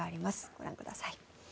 ご覧ください。